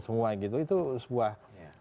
semua gitu itu sebuah